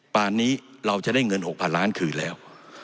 นี้เราจะได้เงิน๖๐๐๐ล้านคืนแล้ว